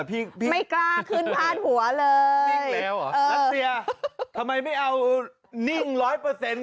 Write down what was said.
พี่ไม่กล้าขึ้นผ้านหัวเลย